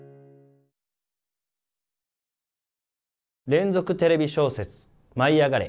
連続テレビ小説「舞いあがれ！」